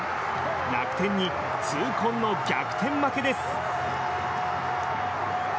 楽天に痛恨の逆転負けです。